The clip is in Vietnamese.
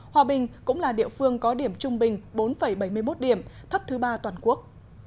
hòa bình cũng là địa phương có điểm trung bình bốn bảy mươi một điểm thấp thứ ba toàn quốc